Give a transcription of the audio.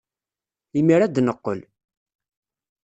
Imir-a ad d-neqqel.